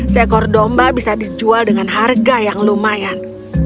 seekor domba bisa dijual dengan harga yang lumayan